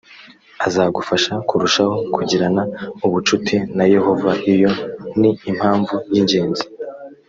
azagufasha kurushaho kugirana ubucuti na yehova iyo ni impamvu y ingenzi